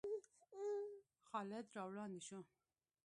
خالد را وړاندې شو.